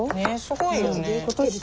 すごいよね。